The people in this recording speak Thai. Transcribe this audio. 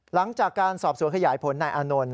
หลังจากการสอบสวนขยายผลนายอานนท์